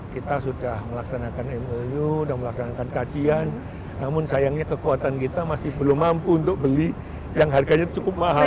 kita sudah melaksanakan mou sudah melaksanakan kajian namun sayangnya kekuatan kita masih belum mampu untuk beli yang harganya cukup mahal